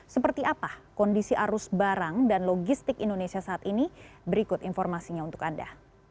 seperti apa kondisi arus barang dan logistik indonesia saat ini berikut informasinya untuk anda